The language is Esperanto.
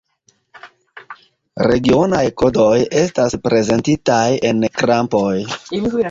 Regionaj kodoj estas prezentitaj en krampoj.